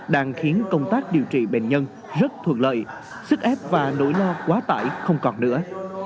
đang khiến công tác điều trị bệnh nhân rất thuận lợi sức ép và nỗi lo quá tải không còn nữa